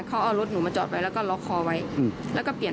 เขาเอารถหนูมาจอดไว้แล้วก็ล็อกคอไว้แล้วก็เปลี่ยน